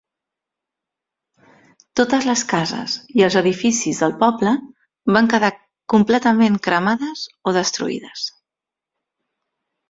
Totes les cases i els edificis del poble van quedar completament cremades o destruïdes.